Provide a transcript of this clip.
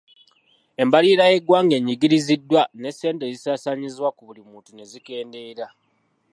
Embalirira y'eggwanga enyigiriziddwa ne ssente ezisaasaanyizibwa ku buli muntu ne zikendeera.